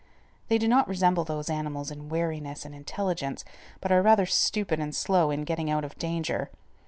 They do not resemble those animals in wariness and intelligence, but are rather stupid and slow in getting out of danger.